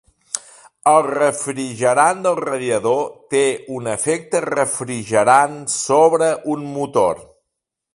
El refrigerant del radiador té un efecte refrigerant sobre un motor.